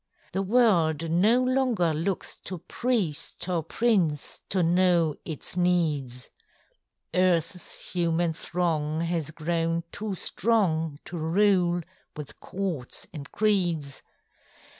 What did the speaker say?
The world no longer looks to priest Or prince to know its needs; EarthŌĆÖs human throng has grown too strong To rule with courts and creeds.